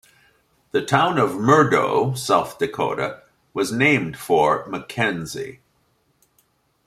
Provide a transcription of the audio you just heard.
The town of Murdo, South Dakota was named for Mackenzie.